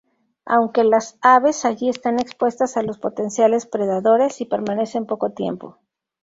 Aunque las aves allí están expuestas a los potenciales predadores y permanecen poco tiempo.